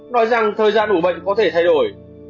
nói rằng thời gian ủ bệnh có thể thay đổi bởi các triệu chứng